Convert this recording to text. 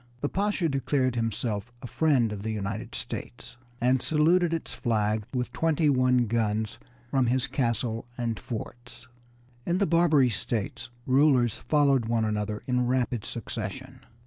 The Pasha declared himself a friend of the United States, and saluted its flag with twenty one guns from his castle and forts. In the Barbary States rulers followed one another in rapid succession.